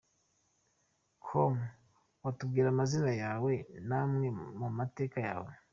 com : Watubwira amazina yawe n’amwe mu mateka yawe ?.